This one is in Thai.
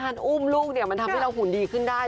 อุ้มลูกเนี่ยมันทำให้เราหุ่นดีขึ้นได้